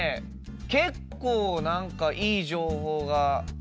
結構何かいい情報が。